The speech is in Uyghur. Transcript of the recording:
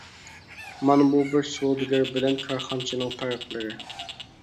مانا بۇ بىر سودىگەر بىلەن كارخانىچىنىڭ پەرقلىرى.